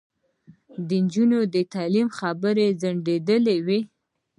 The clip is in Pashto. د نجونو د تعلیم خبره یې ځنډولې وه.